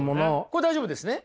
これ大丈夫ですね？